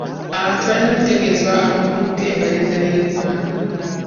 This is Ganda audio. Abantu balina okutegezebwa amakulu g'embalirira y'egwanga.